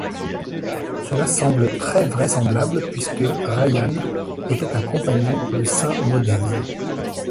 Cela semble très vraisemblable puisque Rhian était un compagnon de saint Maudez.